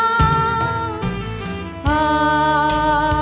จูบลูกหลายเท่าโยม